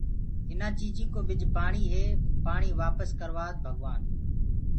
اٚينآ چيٚجينٚ ڪو ٻج پآڻيٚ هي پآڻيٚ وآپس ڪرَوآد ڀگوآن